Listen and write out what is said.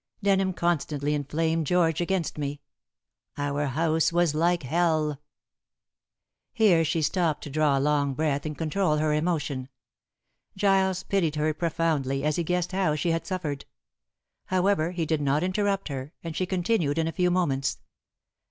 Denham constantly inflamed George against me. Our house was like hell." Here she stopped to draw a long breath and control her emotion. Giles pitied her profoundly, as he guessed how she had suffered. However, he did not interrupt her, and she continued in a few moments.